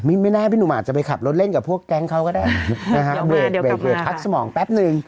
ไม่น่าให้พี่หนุ่มหาคจะไปขับรถเล่นกับพวกแก๊งเขาก็ได้นะฮะเดี๋ยวมาเดี๋ยวกลับมาคักสมองแป๊บหนึ่ง